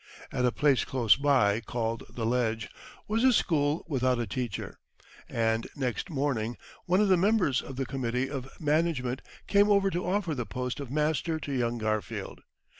At a place close by, called The Ledge, was a school without a teacher. And next morning one of the members of the committee of management came over to offer the post of master to young Garfield.